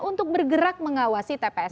untuk bergerak mengawasi tps